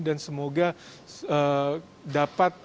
dan semoga dapat